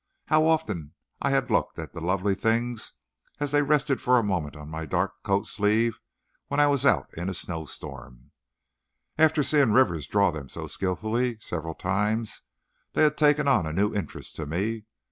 How often I had looked at the lovely things as they rested for a moment on my dark coat sleeve when I was out in a snowstorm. And after seeing Rivers draw them so skilfully, several times, they had taken on a new interest to me.